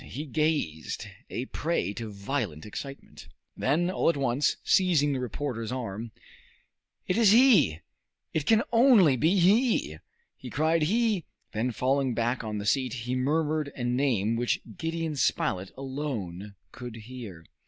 He gazed, a prey to violent excitement. Then, all at once, seizing the reporter's arm, "It is he! It can only be he!" he cried, "he! " Then, falling back on the seat, he murmured a name which Gideon Spilett alone could hear.